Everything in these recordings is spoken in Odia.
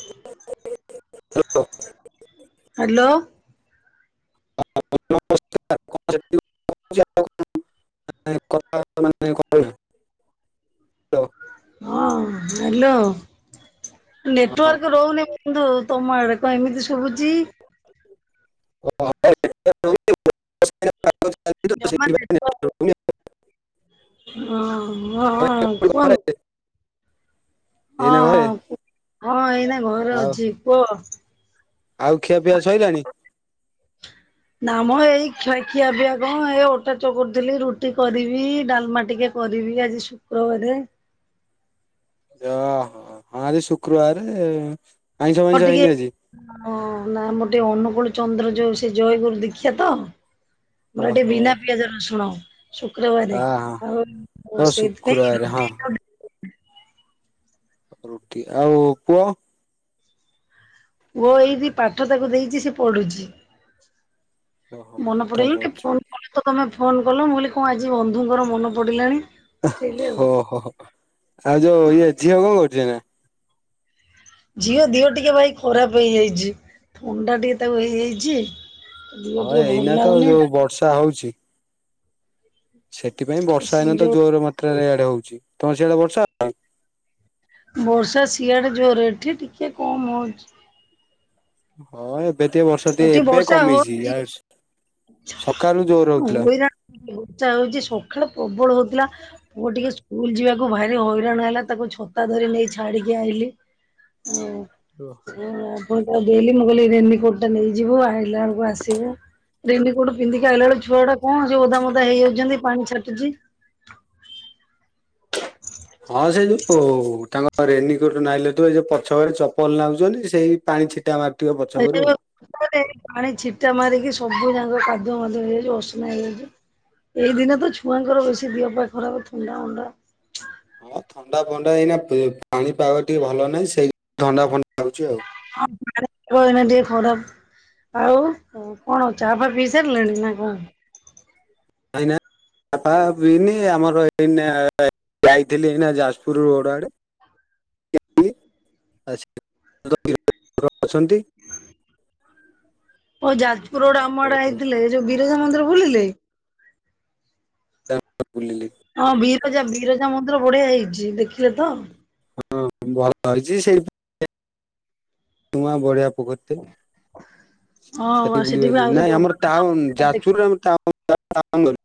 [unintelligible] ହ୍ୟାଲୋ। [unintelligible] [unintelligible] ହଁ ହ୍ୟାଲୋ। ନେଟୱାର୍କ ରହୁନି ମୁ କିନ୍ତୁ ତମ ଆଡେ କଣ ଏମିତି ଶୁଭୁଛି? ଜମା ନେଟୱାର୍କ [unintelligible] ହଁ ହଁ ହଁ କୁହନ୍ ଘରେ ହଁ ଏଇନା ଘରେ ହଁ ହଁ ଏଇନା ଘରେ ଆଉ ଅଛି କୁହ? ଆଉ ଖିଆ ପିଆ ସଇଲାଣି? ନା ମ ଏଇ ଖଇ ଖିଆ ପିଆ କଣ ଏ ଅଟା ଚକୁଟି ଥିଲି ରୁଟି କରିବି। ଡାଲମା ଟିକେ କରିବି ଆଜି ଶୁକ୍ରବାର। ଇୟୋ ହଁ ଆଜି ଶୁକ୍ରବାରେ ହଁ ଟିକେ ନା ମୋର ଟିକେ ଅନୁକୂଳ ଚନ୍ଦ୍ର ଯୋଉ ସେ ଜୟଗୁରୁ ଦୀକ୍ଷା ତ ମୋର ଏଠି ଓହୋ ବିନା ପିଆଜ ରସୁଣ ଶୁକ୍ରବାରେ ଆ ହଁ ଆଉ ଓ ଶୁକ୍ରବାର ହଁ ସେଥିପାଇଁ [unintelligible] ରୁଟି ଆଉ ପୁଅ? ପୁଅ ଏଇଠି ପାଠ ତାକୁ ଦେଇଛି ସେ ପଢୁଛି। ଓହୋ ମନ ପାଠ ପଡିଗଲା ତ ପଢୁଛି ଫୋନ୍ କଣ ତ ତମେ ଫୋନ କଲ ମୁଁ କହିଲି କଣ ଆଜି ବନ୍ଧୁଙ୍କର ମନ ପଡିଲାଣି। ସେଇଲି ଆଉ ହ ହୋ ଆଉ ଯୋଉ ଇଏ ଝିଅ କଣ କରୁଛି ଏଇନା? ଝିଅ ଦିହ ଟିକେ ଭାଇ ଖରାପ ହେଇଯାଇଛି। ଥଣ୍ଡା ଟିକେ ତାକୁ ହେଇଯାଇଛି। ଦିହ ହଁ ଟିକେ ଭଲ ଏଇନା ତ ଲାଗୁନି ତା ଯୋଉ ବର୍ଷା ହଉଛି। ସେଥିପାଇଁ ବର୍ଷା ସେ ଏଇନା ତ ଯୋଉ ଜୋର ମାତ୍ରା ରେ ଏଆଡେ ହଉଛି। ତମ ସେଆଡେ ବର୍ଷା ବର୍ଷା ସିଆଡେ ଜୋରରେ ଏଠି ଟିକିଏ କମ୍ ହଉଛି। ହଁ ଏବେ ଟିକେ ବର୍ଷା ଟିକେ ଏଠି ଏବେ ବର୍ଷା କମିଛି। ହଉଛି। ଆଉ [unintelligible] ହଉଛି ସକାଳେ ପ୍ରବଳ ହଉଥିଲା। ପୁଅଟିକେ ସ୍କୁଲ ଯିବାକୁ ଭାରି ହଇରାଣ ହେଲା ତାକୁ ଛତା ଧରି ନେଇ ଛାଡିକି ଆଇଲି। ହୁଁ। ଓହୋ। ଆଉ ପୁଣି ତଉ ଦେଲି ମୁଁ କହିଲି ରେନି କୋର୍ଟ ଟା ନେଇଯିବୁ ଆଇଲା ବେଳକୁ ଆସିବୁ- ରେନିକୋଟ ପିନ୍ଧିକି ଆଇଲା ବଳୁ ଛୁଆ ଗୁଡା କଣ ସେ ଓଧା ମୋଦା ହେଇଯାଉଛନ୍ତି ପାଣି ଛାଟୁଚି - ହଁ ସେ ପୋ ତାଙ୍କ- ହ ରେନିକୋଟ ନାଇଲାଠୁ ତୁ ଏ ଯ ପଛ ଭ ଚପଲ ନାଉଛନ୍ତି ସେଇ ପାଣି ଛିଟା ମାର [unintelligible] ପାଣି ଛିଟା ମାରିକି ସବୁ ଯାକ କାଦୁଅ ମାଦୁଅ ହେଇଯାଇଚି ଅସନା ହେଇଯାଇଚି - ଏଇ ଦିନେ ତ ଛୁଆଙ୍କର ବେଶୀ ଦିଅ ପା ଖରାପ ଥଣ୍ଡା ମଣ୍ଡା - ହଁ ଥଣ୍ଡା ଫଣ୍ଡା ଏଇନା ପେ ପାଣିପାଗ ଟିକେ ଭଲ ନାହିଁ ସେଇ ଥଣ୍ଡା ଫଣ୍ଡା ନଗୁଚି ଆଉ - [unintelligible] ଏଇନା ଟିକେ ଖରାପ୍ - ଆଉ କଣ ଚାହା ଫା ପିଇ ସାରିଲେଣି ନା କଣ? ଏଇନା ଚା ଫା ପିଇନି ଆମର ଏଇନା - ଯାଇଥିଲି ଏଇନା ଯାଜପୁର ରୋଡ ଆଡେ- [inaudible] ଅଛନ୍ତି - [inaudible] ଓ ହୋ ଯାଜପୁର ରୋଡ଼ ଆମ ଆଡେ ଆଇଥିଲେ ଏଇ ଯୋଉ ବିରଜା ମନ୍ଦିର ବୁଲିଲେ? ବୁଲିଲି ହଁ ବିରଜା ବିରଜା ମନ୍ଦିର ବଢିଆ ହେଇଛି ଦେଖିଲେ ତ ହଁ ଭଲ ହେଇଛି ସେଇ [unintelligible] [unintelligible] ସେ ହଁ ସେଠି ବି ବୁଲିବାଲିକି ଆହୁରି ନାଇଁ ଆମର ଜଗନ୍ନାଥ ଟାଉନ ମନ୍ଦିର ଦେଖି ଯାଜପୁରରେ ଆ ତାଉ - [inaudible]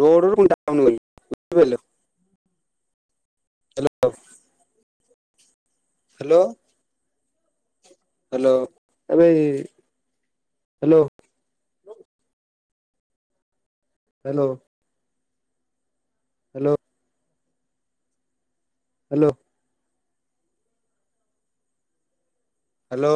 ରୋଡ଼ରୁ ପୁଣି ଟାଉନ୍ ଗଲି ବୁଝିପାରିଲ ହ୍ୟାଲୋ ହ୍ୟାଲୋ ହ୍ୟାଲୋ ଏ ଭାଇ hello hello hello hello hello